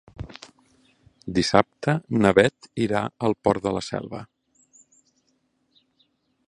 Dissabte na Beth irà al Port de la Selva.